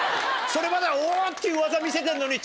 それまでは「お！」っていう技見せてんのに。